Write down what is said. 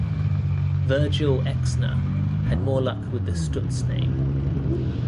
Virgil Exner had more luck with the Stutz name.